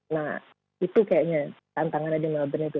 nah itu kayaknya tantangannya di melbourne itu